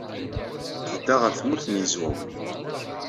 Tedda ɣer Tmurt n Yizwawen.